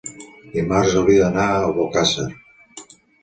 Dimarts hauria d'anar a Albocàsser.